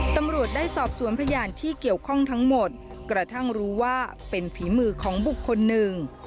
ตำรวจได้สอบสวนพยานที่เกี่ยวข้องทั้งหมดกระทั่งรู้ว่าเป็นฝีมือของบุคคลหนึ่ง